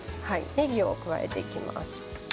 ねぎを加えていきます。